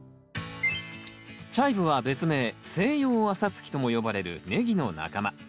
チャイブは別名「セイヨウアサツキ」とも呼ばれるネギの仲間。